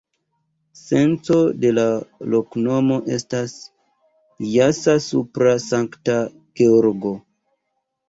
Senco de la loknomo estas: jasa-supra-Sankta-Georgo.